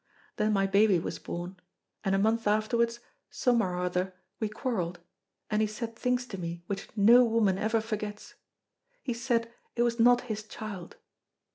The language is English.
Then my baby was born, and, a month afterwards, somehow or other we quarrelled, and he said things to me which no woman ever forgets. He said it was not his child.